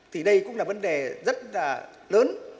thì đây cũng là vấn đề rất là lớn